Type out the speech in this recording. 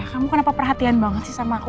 kamu kenapa perhatian banget sih sama aku